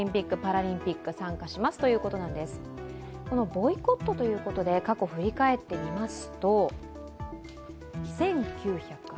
ボイコットということで過去、振り返ってみます。